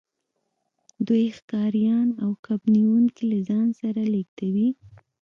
دوی ښکاریان او کب نیونکي له ځان سره لیږدوي